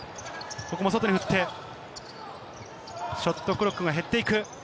外に振って、ショットクロックが減っていく。